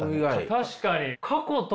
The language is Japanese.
確かに。